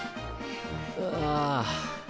ああ。